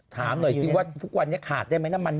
ถามหน่อยสิว่าทุกวันนี้ขาดได้ไหมน้ำมัน